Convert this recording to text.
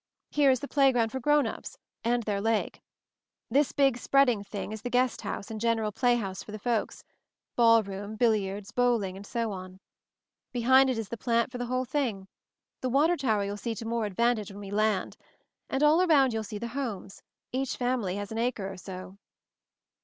Here is the playground for grown ups— and their lake. This big spreading thing is the guest house and general playhouse for the folks — ball room, billiards, bowling, and so on. Behind it is the plant for the whole thing. The water tower you'll see to more advantage when we land. And all around you see the homes; each family has an acre or so."